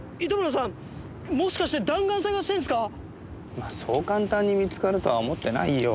まあそう簡単に見つかるとは思ってないよ。